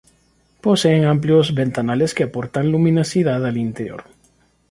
Poseen amplios ventanales que aportan luminosidad al interior.